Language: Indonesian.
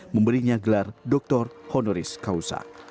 memberinya gelar doktor honoris causa